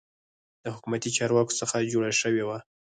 د حکومتي چارواکو څخه جوړه شوې وه.